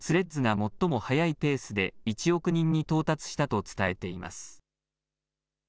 最も速いペースで１億人に到達したと伝えています。